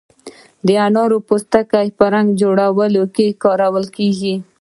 د انارو پوستکی په رنګ جوړولو کې کارول کیږي.